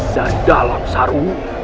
dan dalam saru